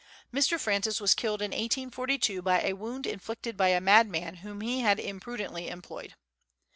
Mr. Francis was killed in 1842 by a wound inflicted by a madman whom he had imprudently employed.